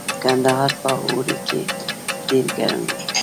کندهار په اوړي کې ډیر ګرم وي